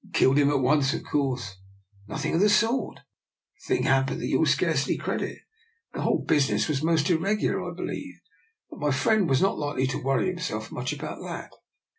And killed him at once, of course? " Nothing of the sort. A thing happened that you will scarcely credit. The whole business was most irregular, I believe, but my friend was not likely to worry himself much about that.